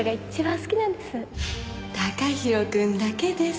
貴大くんだけです。